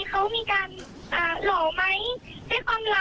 เขามีการหล่อไหมด้วยความรัก